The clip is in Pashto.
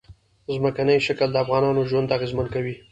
ځمکنی شکل د افغانانو ژوند اغېزمن کوي.